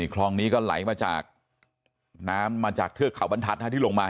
คลองนี้ก็ไหลมาจากมาจากเครือเกี่ยวกากทาว์บรรทัศน์ที่ลงมา